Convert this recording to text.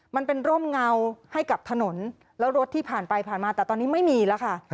มันเป็นร่มเงาให้กับถนนแล้วรถที่ผ่านไปผ่านมาแต่ตอนนี้ไม่มีแล้วค่ะ